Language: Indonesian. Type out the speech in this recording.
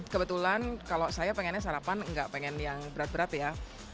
kebetulan kalau saya pengennya sarapan enggak pengen yang berat berat ya